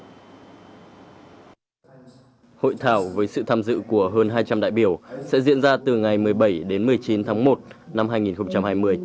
hội thảo với sự tham dự của hơn hai trăm linh đại biểu sẽ diễn ra từ ngày một mươi bảy đến một mươi chín tháng một năm hai nghìn hai mươi